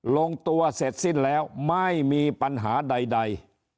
ลงตัวเสร็จสิ้นแล้วไม่มีปัญหาใด